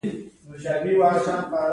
دا د کادرونو ساتنه د اهدافو لپاره ده.